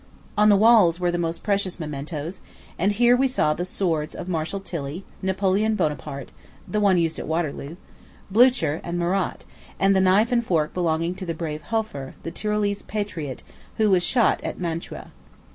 On the walls were the most precious mementoes; and here we saw the swords of Marshal Tilly, Napoleon Bonaparte, the one used at Waterloo, Blucher, and Murat, and the knife and fork belonging to the brave Hofer, the Tyrolese patriot, who was shot at Mantua.